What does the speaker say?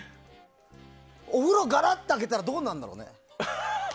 お風呂がらって開けたらどうなるんだろうね。